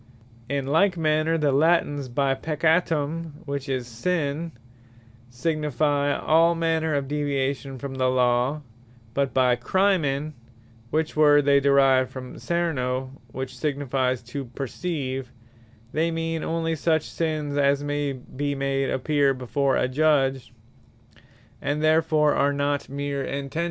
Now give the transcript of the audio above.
In like manner the Latines by Peccatum, which is Sinne, signifie all manner of deviation from the Law; but by crimen, (which word they derive from Cerno, which signifies to perceive,) they mean onely such sinnes, as my be made appear before a Judge; and therfore are not meer Intentions.